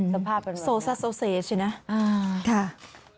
สภาพเป็นแบบนั้นนะครับค่ะโซเซจใช่ไหมครับค่ะอ่าค่ะ